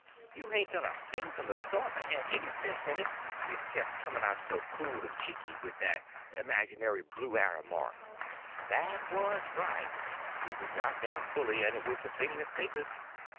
You hain't done a thing from the start that had any sense in it, except coming out so cool and cheeky with that imaginary blue arrow mark. That was bright—it was right down bully; and it was the thing that saved us.